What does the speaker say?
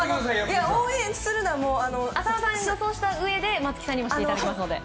浅尾さんに予想したうえで松木さんにもしていただきますので。